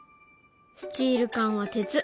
スチール缶は鉄。